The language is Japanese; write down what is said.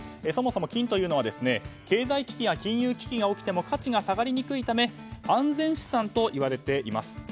そもそも金というのは経済危機や金融危機が来ても価値が下がりにくいため安全資産と言われています。